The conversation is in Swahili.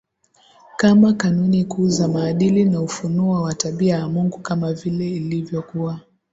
kama kanuni kuu za Maadili na ufunuo wa tabia ya Mungu kama vile ilivyokuwa